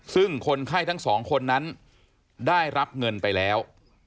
ซึ่งคนไข้ทั้งสองคนนั้นได้รับเงินไปแล้ว